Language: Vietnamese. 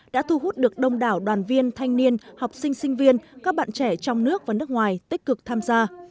đã thu hút được đông đảo đoàn viên thanh niên học sinh sinh viên các bạn trẻ trong nước và nước ngoài tích cực tham gia